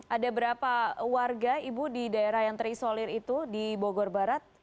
ada berapa warga ibu di daerah yang terisolir itu di bogor barat